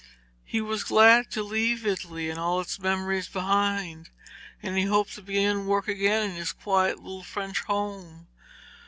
He was glad to leave Italy and all its memories behind, and he hoped to begin work again in his quiet little French home.